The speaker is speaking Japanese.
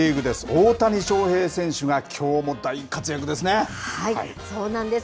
大谷翔平選手が、きょうも大活躍そうなんです。